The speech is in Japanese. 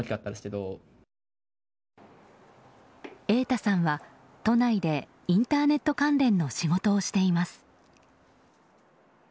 瑛太さんは都内でインターネット関連の仕事をしています。